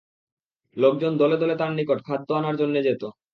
লোকজন দলে দলে তার নিকট খাদ্য আনার জন্যে যেত।